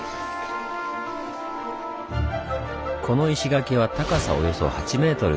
この石垣は高さおよそ８メートル。